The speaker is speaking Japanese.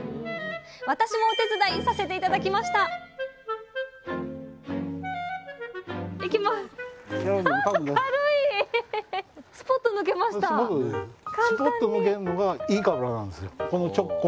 私もお手伝いさせて頂きましたいきます。